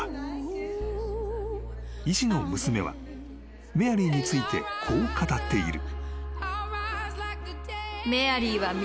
［医師の娘はメアリーについてこう語っている］